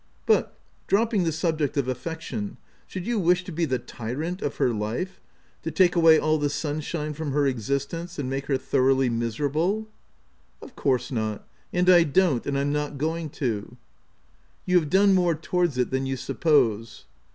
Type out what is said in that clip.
But, drop ping the subject of affection, should you wish to be the tyrant of her life— to take away all the sunshine from her existence, and make her thoroughly ^miserable ?" OF WILDFELL HALL. 91 " Of course not ; and I don't, and Fm not going to." " You have done more towards it than you suppose."